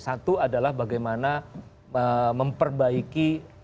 satu adalah bagaimana memperbaiki